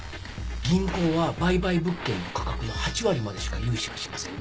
銀行は売買物件の価格の８割までしか融資はしません。